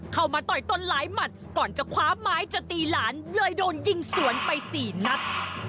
ต่อยตนหลายหมัดก่อนจะคว้าไม้จะตีหลานเลยโดนยิงสวนไปสี่นัด